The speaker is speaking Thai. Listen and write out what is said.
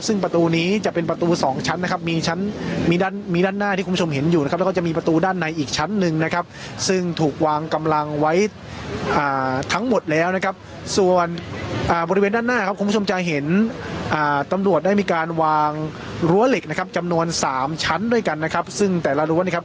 ซึ่งประตูนี้จะเป็นประตูสองชั้นนะครับมีชั้นมีด้านมีด้านหน้าที่คุณผู้ชมเห็นอยู่นะครับแล้วก็จะมีประตูด้านในอีกชั้นหนึ่งนะครับซึ่งถูกวางกำลังไว้ทั้งหมดแล้วนะครับส่วนบริเวณด้านหน้าครับคุณผู้ชมจะเห็นตำรวจได้มีการวางรั้วเหล็กนะครับจำนวนสามชั้นด้วยกันนะครับซึ่งแต่ละรั้วนะครับ